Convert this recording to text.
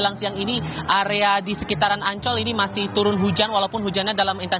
kemudian saat rekreasi tetap mengikuti instruksi petugas lapangan